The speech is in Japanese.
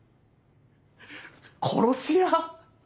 殺し屋？